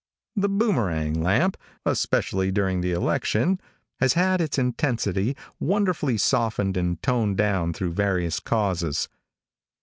The Boomerang lamp, especially during the election, has had its intensity wonderfully softened and toned down through various causes.